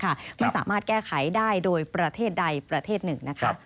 ไม่สามารถแก้ไขได้โดยประเทศใดประเทศหนึ่งนะคะ